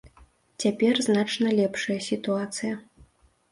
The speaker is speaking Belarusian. Цяпер значна лепшая сітуацыя.